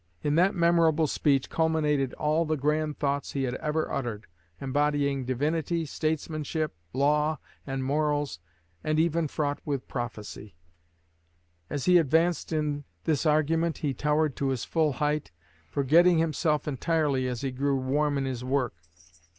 In that memorable speech culminated all the grand thoughts he had ever uttered, embodying divinity, statesmanship, law, and morals, and even fraught with prophecy. As he advanced in this argument he towered to his full height, forgetting himself entirely as he grew warm in his work.